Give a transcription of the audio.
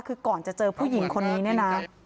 คือก่อนจะเจอผู้หญิงคนนี้เนี่ยนะ